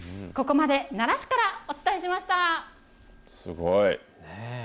ここまで奈良市からお伝えしましすごい。